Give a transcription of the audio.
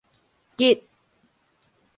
汔